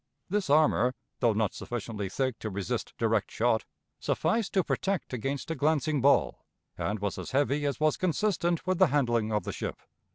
This armor, though not sufficiently thick to resist direct shot, sufficed to protect against a glancing ball, and was as heavy as was consistent with the handling of the ship.